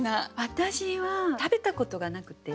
私は食べたことがなくて。